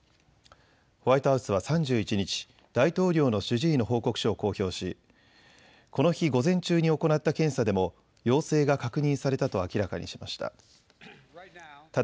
ホワイトハウスは３１日、大統領の主治医の報告書を公表しこの日、午前中に行った検査でも陽性が確認されたと明らかにしました。